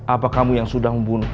apa kamu yang sudah membunuh